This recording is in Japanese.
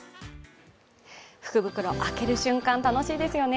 福袋、開ける瞬間楽しいですよね。